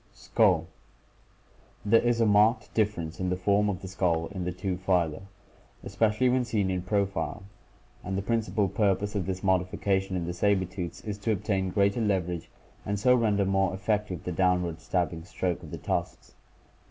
Skull* — There is a marked difference in the form of the skull in the two phyla, especially when seen in profile, and the principal purpose of this modification in the saber tooths is to obtain greater leverage and so render more effective the downward stabbing stroke of the tusks.